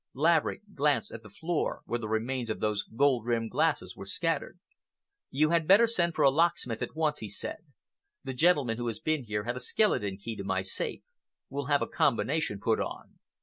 Laverick glanced at the floor, where the remains of those gold rimmed glasses were scattered. "You had better send for a locksmith at once," he said. "The gentleman who has been here had a skeleton key to my safe. We'll have a combination put on."